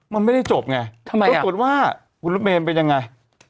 มันไม่ได้จบไงก็บอกว่าคุณลุกเมนเป็นยังไง